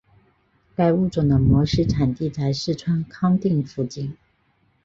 该物种的模式产地在四川康定附近。